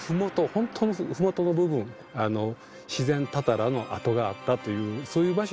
本当の麓の部分自然たたらの跡があったというそういう場所なんです。